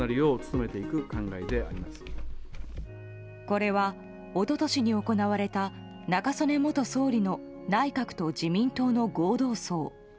これは一昨年に行われた中曽根元総理の内閣と自民党の合同葬。